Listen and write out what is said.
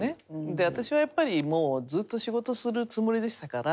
で私はやっぱりもうずっと仕事するつもりでしたから。